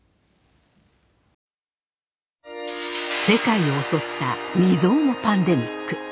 世界を襲った未曽有のパンデミック。